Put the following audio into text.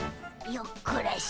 よっこらしょ。